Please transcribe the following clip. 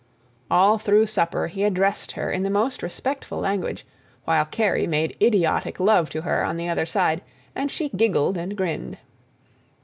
All through supper he addressed her in the most respectful language, while Kerry made idiotic love to her on the other side, and she giggled and grinned.